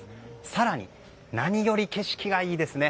更に何より景色がいいですね。